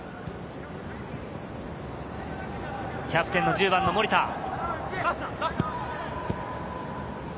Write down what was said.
キャプテンの１０番の森田。